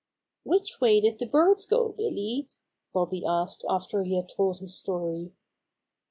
"Which way did the birds go, Billy?" Bobby asked after he had told his story.